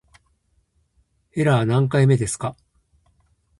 エラー何回目ですか